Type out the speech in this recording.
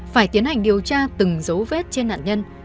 phải tiến hành điều tra từng dấu vết trên nạn nhân